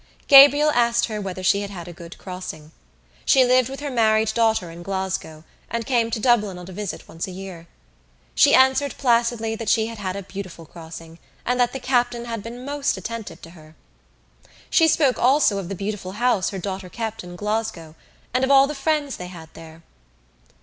Gabriel asked her whether she had had a good crossing. She lived with her married daughter in Glasgow and came to Dublin on a visit once a year. She answered placidly that she had had a beautiful crossing and that the captain had been most attentive to her. She spoke also of the beautiful house her daughter kept in Glasgow, and of all the friends they had there.